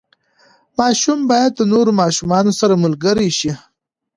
ماشوم باید د نورو ماشومانو سره ملګری شي.